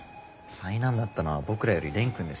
災難だったのは僕らより蓮くんです。